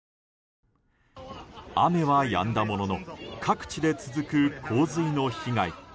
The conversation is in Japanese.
雨はやんだものの各地で続く洪水の被害。